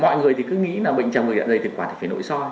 mọi người thì cứ nghĩ là bệnh trào ngược dạ dày thực quản thì phải nội soi